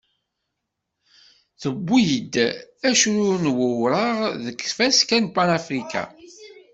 Tewwi-d acrur n wuraɣ deg tfaska n Panafrican.